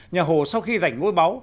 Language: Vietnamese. nhà hồ sau khi giành ngôi báu